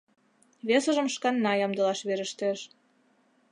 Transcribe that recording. Весыжым шканна ямдылаш верештеш.